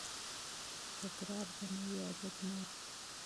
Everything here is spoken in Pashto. تکرار د نوي عادت مور ده.